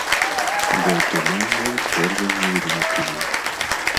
Лёт імага ў чэрвені і ліпені.